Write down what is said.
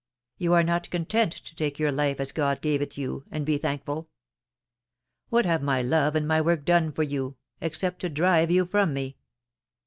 You are not content to take your life as God gave it you, and be thankful. What have my love and my work done for you, except to drive you from me